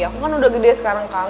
aku kan udah gede sekarang kan